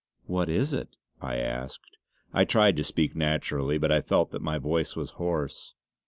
"What is it?" I asked. I tried to speak naturally but I felt that my voice was hoarse.